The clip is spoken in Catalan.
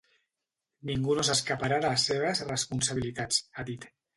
“Ningú no s’escaparà de les seves responsabilitats”, ha dit.